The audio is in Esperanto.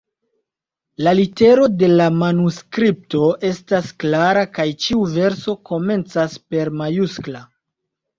La litero de la manuskripto estas klara kaj ĉiu verso komencas per majuskla.